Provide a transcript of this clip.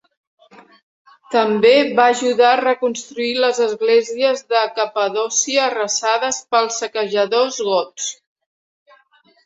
També va ajudar a reconstruir les esglésies de Capadòcia, arrasades pels saquejadors gots.